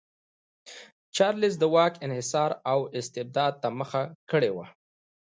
چارلېز د واک انحصار او استبداد ته مخه کړې وه.